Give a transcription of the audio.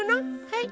はい。